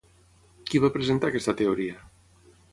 Qui va presentar aquesta teoria?